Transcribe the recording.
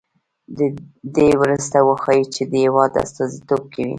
دې ورته وښيي چې د هېواد استازیتوب کوي.